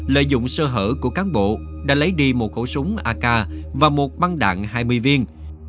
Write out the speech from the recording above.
lợi dụng sơ hở của cán bộ đã lấy đi một khẩu súng ak và một băng đạn hai mươi viên